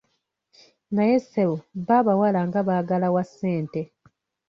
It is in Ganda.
Naye ssebo bbo abawala nga baagala wa ssente.